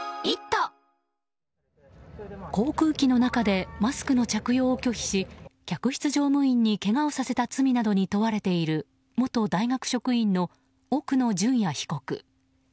航空機の中でマスクの着用を拒否し客室乗務員にけがをさせた罪などに問われている元大学職員の奥野淳也被告。